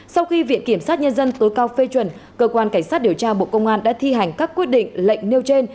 sau khi viện kiểm sát nhân dân tối cao phê chuẩn cơ quan cảnh sát điều tra bộ công an đã thi hành các quyết định lệnh nêu trên